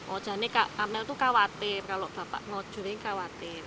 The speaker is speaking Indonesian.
oh jadi amel tuh khawatir kalau bapak ngocuri khawatir